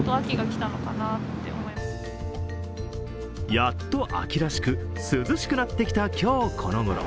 やっと秋らしく、涼しくなってきた今日この頃。